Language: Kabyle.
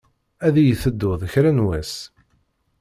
Ad iyi-tettuḍ kra n wass.